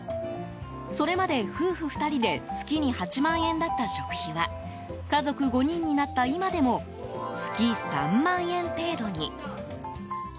それまで夫婦２人で月に８万円だった食費は家族５人になった今でも月３万円程度に。